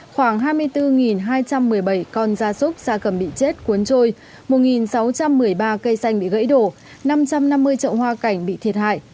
khoảng hai mươi bốn hai trăm một mươi bảy con da súc da cầm bị chết cuốn trôi một sáu trăm một mươi ba cây xanh bị gãy đổ năm trăm năm mươi trậu hoa cảnh bị thiệt hại